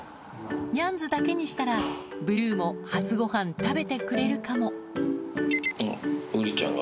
にゃんズだけにしたらブルーも初ごはん食べてくれるかもあっウリちゃんが。